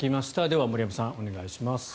では森山さん、お願いします。